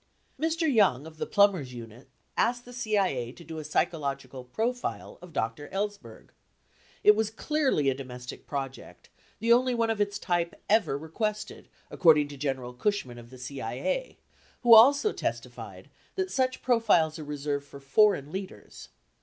32 Mr. Young of the Plumbers unit asked the CIA to do a psychologi cal profile of Dr. Ellsberg. It was clearly a domestic project! the only one of its type ever requested, according to General Cush rni i n of the CIA, who also testified that such profiles are reserved fob foreign leaders.